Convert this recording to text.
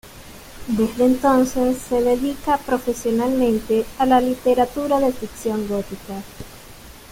Desde entonces se dedica profesionalmente a la literatura de ficción gótica.